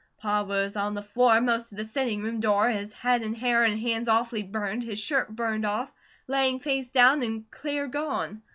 Pa was on the floor, most to the sitting room door, his head and hair and hands awfully burned, his shirt burned off, laying face down, and clear gone.